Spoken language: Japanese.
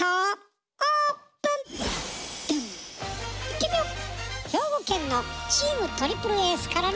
ではいってみよう！